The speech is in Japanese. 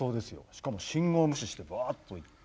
しかも信号無視してバッと行って。